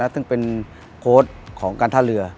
ซึ่งเป็นโค้ชของการท่าเรือ